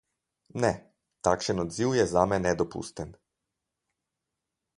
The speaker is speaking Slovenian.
Ne, takšen odziv je zame nedopusten.